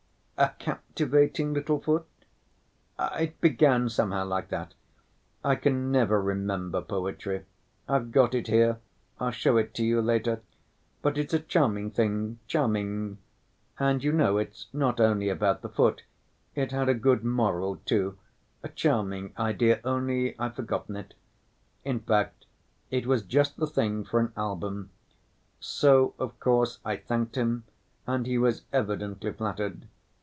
A captivating little foot. It began somehow like that. I can never remember poetry. I've got it here. I'll show it to you later. But it's a charming thing—charming; and, you know, it's not only about the foot, it had a good moral, too, a charming idea, only I've forgotten it; in fact, it was just the thing for an album. So, of course, I thanked him, and he was evidently flattered.